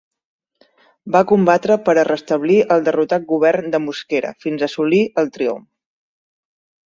Va combatre per a restablir el derrotat govern de Mosquera fins a assolir el triomf.